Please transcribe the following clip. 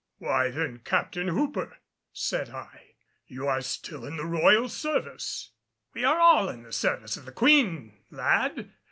"Why, then, Captain Hooper," said I, "you are still in the Royal Service." "We are all in the service of the Queen, lad.